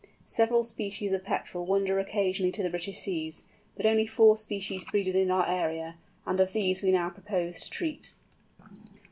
Several species of Petrel wander occasionally to the British seas, but only four species breed within our area, and of these we now propose to treat.